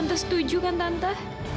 tante setuju kan tante